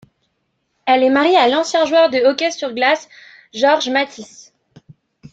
Elle est mariée à l'ancien joueur de hockey sur glace Georges Mathys.